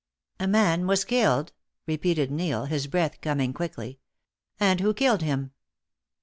"A man was killed?" repeated Neil, his breath coming quickly. "And who killed him?"